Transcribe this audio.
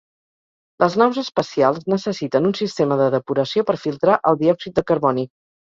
Les naus espacials necessiten un sistema de depuració per filtrar el diòxid de carboni.